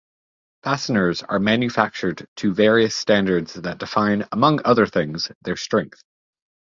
Fasteners are manufactured to various standards that define, among other things, their strength.